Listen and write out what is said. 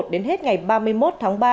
đến hết ngày ba mươi một tháng ba